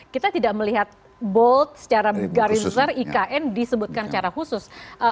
kita tidak melihat bold secara garis besar ikn disebutkan secara khusus